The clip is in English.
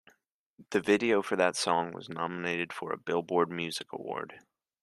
The video for that song was nominated for a Billboard Music Award.